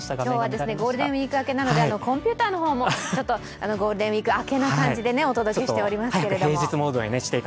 今日はゴールデンウイーク明けなので、コンピューターの方もゴールデンウイーク明けな感じでお届けしておりますけれども。